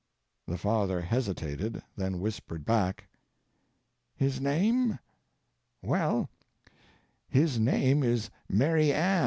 The father hesitated, then whispered back: "His name? Well, his name is Mary Ann."